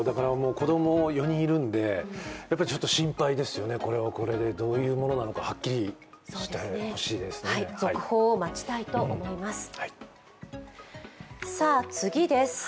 子供４人いるんで、やっぱりちょっと心配ですよね、これはこれでどういうものなのかはっきりしてほしいですね。